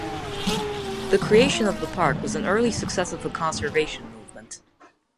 The creation of the park was an early success of the conservation movement.